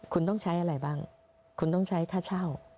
คุณต้องใช้อะไรบ้างคุณต้องใช้ค่าเช่า